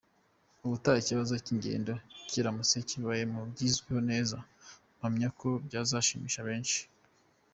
Ubutaha ikibazo cy’ingendo kiramutse kibaye mu byizweho neza, mpamya ko byazashimisha benshi.